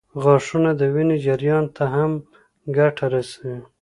غاښونه د وینې جریان ته هم ګټه رسوي.